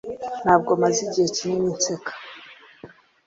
Ntabwo maze igihe kinini nseka